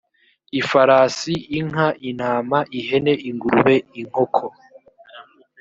ifarasi inka intama ihene ingurube inkoko